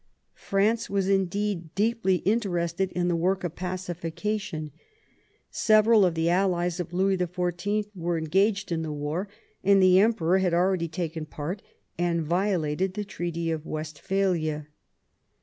France was indeed deeply interested in the work of pacification. Several of the allies of Louis XrV. were engaged in the war, and the Emperor had already taken part and violated the Treaty of Westphalia.